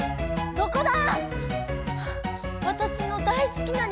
どこだ！